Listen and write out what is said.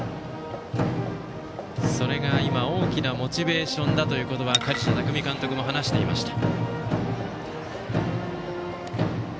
それが今、大きなモチベーションだということは鍛治舎巧監督も話していました。